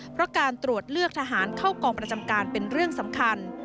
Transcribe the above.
เพราะการตรวจเลือกทหารเข้ากองประจำการเป็นเรื่องสำคัญ